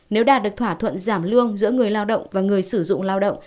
nếu đạt được thỏa thuận giảm lương giữa người lao động và người sử dụng lao động